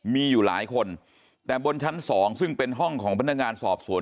มีอยู่หลายคนแต่บนชั้นสองซึ่งเป็นห้องของพนักงานสอบสวน